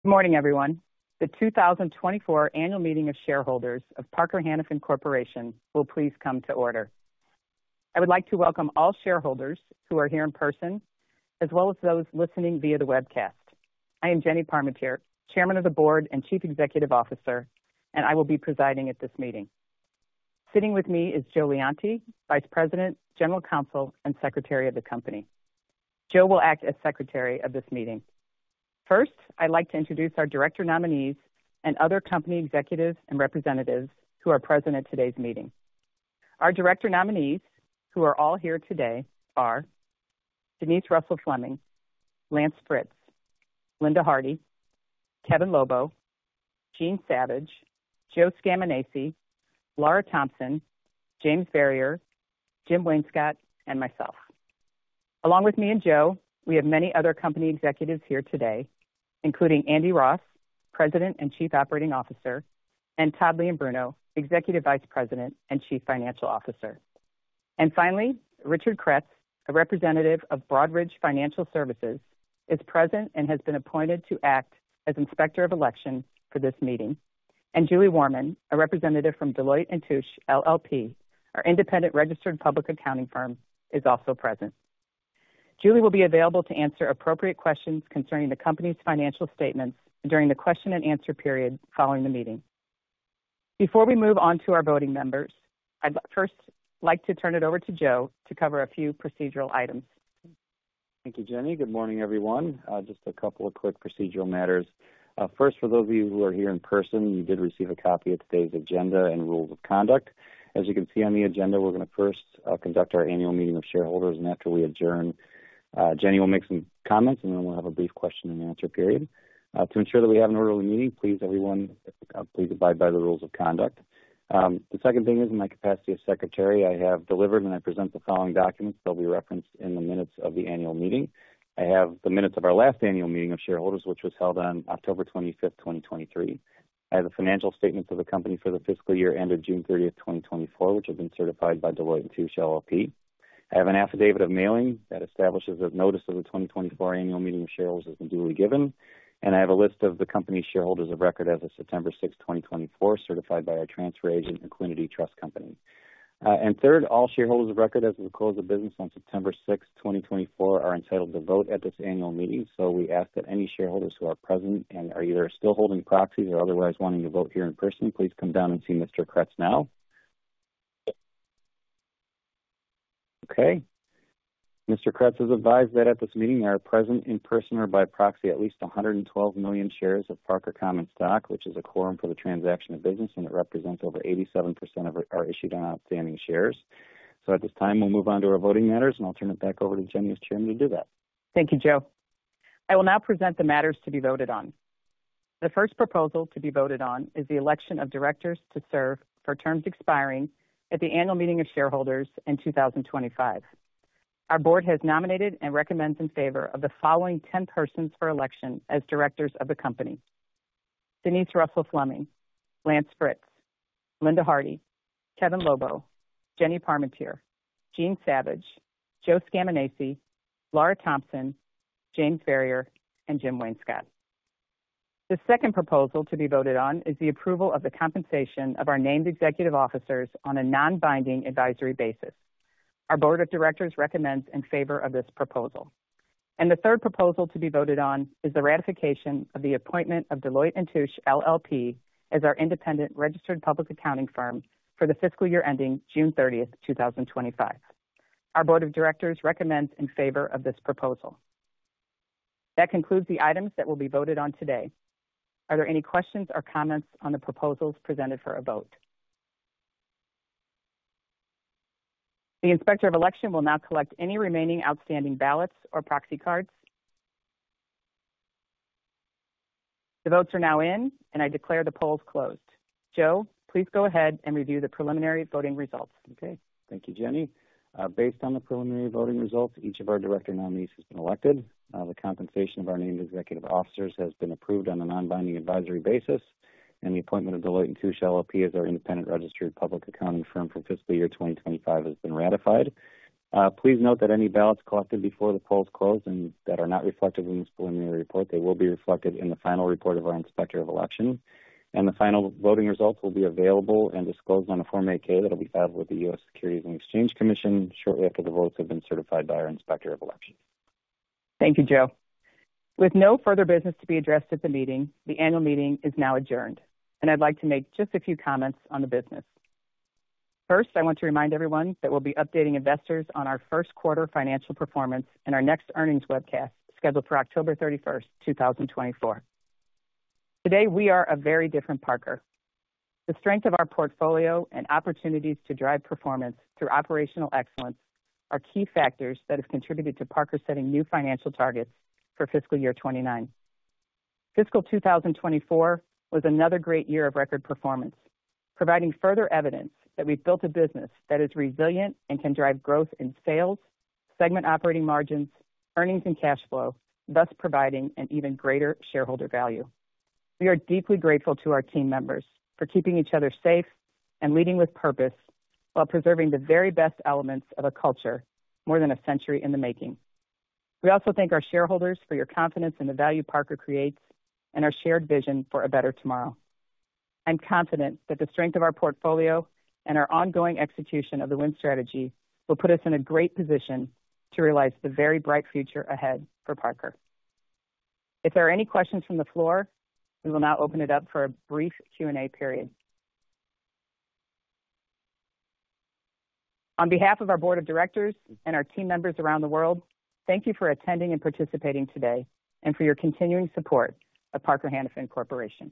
...Good morning, everyone. The 2024 Annual Meeting of Shareholders of Parker Hannifin Corporation will please come to order. I would like to welcome all shareholders who are here in person, as well as those listening via the webcast. I am Jenny Parmentier, Chairman of the Board and Chief Executive Officer, and I will be presiding at this meeting. Sitting with me is Joe Leonti, Vice President, General Counsel, and Secretary of the company. Joe will act as secretary of this meeting. First, I'd like to introduce our director nominees and other company executives and representatives who are present at today's meeting. Our director nominees, who are all here today, are Denise Russell Fleming, Lance Fritz, Linda Harty, Kevin Lobo, Jean Savage, Joe Scaminace, Laura Thompson, James Verrier, Jim Wainscott, and myself. Along with me and Joe, we have many other company executives here today, including Andy Ross, President and Chief Operating Officer, and Todd Leombruno, Executive Vice President and Chief Financial Officer. And finally, Richard Kretz, a representative of Broadridge Financial Services, is present and has been appointed to act as Inspector of Election for this meeting. And Julie Wahrman, a representative from Deloitte & Touche, LLP, our independent registered public accounting firm, is also present. Julie will be available to answer appropriate questions concerning the company's financial statements during the question and answer period following the meeting. Before we move on to our voting members, I'd first like to turn it over to Joe to cover a few procedural items. Thank you, Jenny. Good morning, everyone. Just a couple of quick procedural matters. First, for those of you who are here in person, you did receive a copy of today's agenda and rules of conduct. As you can see on the agenda, we're going to first conduct our annual meeting of shareholders, and after we adjourn, Jenny will make some comments, and then we'll have a brief question and answer period. To ensure that we have an orderly meeting, please, everyone, please abide by the rules of conduct. The second thing is, in my capacity as secretary, I have delivered, and I present the following documents that will be referenced in the minutes of the annual meeting. I have the minutes of our last annual meeting of shareholders, which was held on 3 October 2023. I have the financial statements of the company for the fiscal year ended 30 June 2024, which have been certified by Deloitte & Touche, LLP. I have an affidavit of mailing that establishes that notice of the 2024 annual meeting of shareholders has been duly given. And I have a list of the company's shareholders of record as of 6 September 2024, certified by our transfer agent, Equiniti Trust Company. And third, all shareholders of record as of the close of business on 6 September 2024, are entitled to vote at this annual meeting. So we ask that any shareholders who are present and are either still holding proxies or otherwise wanting to vote here in person, please come down and see Mr. Kretz now. Okay. Mr. Kretz has advised that at this meeting, there are present, in person or by proxy, at least 112 million shares of Parker common stock, which is a quorum for the transaction of business, and it represents over 87% of our issued and outstanding shares. So at this time, we'll move on to our voting matters, and I'll turn it back over to Jenny as Chairman to do that. Thank you, Joe. I will now present the matters to be voted on. The first proposal to be voted on is the election of directors to serve for terms expiring at the annual meeting of shareholders in 2025. Our board has nominated and recommends in favor of the following 10 persons for election as directors of the company: Denise Russell Fleming, Lance Fritz, Linda Harty, Kevin Lobo, Jenny Parmentier, Jean Savage, Joe Scaminace, Laura Thompson, James Verrier, and Jim Wainscott. The second proposal to be voted on is the approval of the compensation of our named executive officers on a non-binding advisory basis. Our board of directors recommends in favor of this proposal. The third proposal to be voted on is the ratification of the appointment of Deloitte & Touche, LLP, as our independent registered public accounting firm for the fiscal year ending 30 June 2025. Our Board of Directors recommends in favor of this proposal. That concludes the items that will be voted on today. Are there any questions or comments on the proposals presented for a vote? The Inspector of Election will now collect any remaining outstanding ballots or proxy cards. The votes are now in, and I declare the polls closed. Joe, please go ahead and review the preliminary voting results. Okay. Thank you, Jenny. Based on the preliminary voting results, each of our director nominees has been elected. The compensation of our named executive officers has been approved on a non-binding advisory basis, and the appointment of Deloitte & Touche, LLP, as our independent registered public accounting firm for fiscal year 2025 has been ratified. Please note that any ballots collected before the polls closed and that are not reflected in this preliminary report. They will be reflected in the final report of our Inspector of Election. The final voting results will be available and disclosed on a Form 8-K that will be filed with the US Securities and Exchange Commission shortly after the votes have been certified by our Inspector of Election. Thank you, Joe. With no further business to be addressed at the meeting, the annual meeting is now adjourned, and I'd like to make just a few comments on the business. First, I want to remind everyone that we'll be updating investors on our Q1 financial performance in our next earnings webcast, scheduled for 31 October 2024. Today, we are a very different Parker. The strength of our portfolio and opportunities to drive performance through operational excellence are key factors that have contributed to Parker setting new financial targets for fiscal year 2029. Fiscal 2024 was another great year of record performance, providing further evidence that we've built a business that is resilient and can drive growth in sales, segment operating margins, earnings, and cash flow, thus providing an even greater shareholder value. We are deeply grateful to our team members for keeping each other safe and leading with purpose while preserving the very best elements of a culture more than a century in the making. We also thank our shareholders for your confidence in the value Parker creates and our shared vision for a better tomorrow. I'm confident that the strength of our portfolio and our ongoing execution of the Win Strategy will put us in a great position to realize the very bright future ahead for Parker. If there are any questions from the floor, we will now open it up for a brief Q&A period. On behalf of our board of directors and our team members around the world, thank you for attending and participating today, and for your continuing support of Parker Hannifin Corporation.